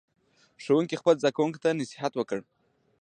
ښوونکي خپلو زده کوونکو ته نصیحت وکړ.